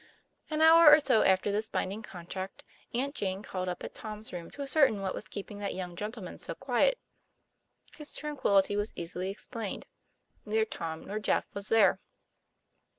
An hour or so after this binding contract, Aunt Jane called up at Tom's room to ascertain what was keeping that young gentleman so quiet. His tran quillity was easily explained; neither Tom nor Jeff was there.